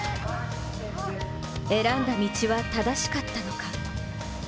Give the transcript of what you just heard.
選んだ道は正しかったのか。